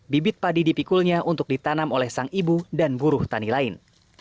bibit padi dipikulnya untuk ditanam oleh sang ibu dan buruh tani lain